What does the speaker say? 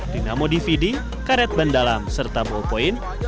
dinamo dvd karet bendalam serta ballpoint